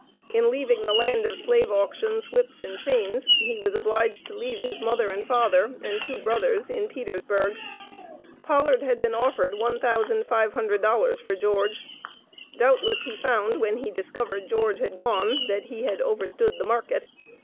In leaving the land of Slave auctions, whips and chains, he was obliged to leave his mother and father and two brothers in Petersburg. Pollard had been offered $1,500 for George. Doubtless he found, when he discovered George had gone, that he had "overstood the market."